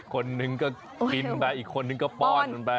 คนหนึ่งก็กินไปอีกคนนึงก็ป้อนมันไป